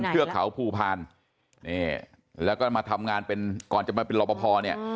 เทือกเขาภูพาลแล้วก็มาทำงานเป็นก่อนจะมาเป็นรอปภเนี่ย